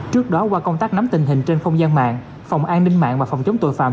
trước đó qua công tác nắm tình hình trên không gian mạng phòng an ninh mạng và phòng chống tội phạm